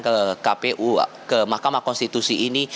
ke kpu ke mahkamah konstitusi ini